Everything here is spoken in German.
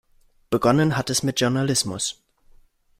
Begonnen hatte es mit Journalismus.